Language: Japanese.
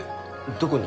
どこに？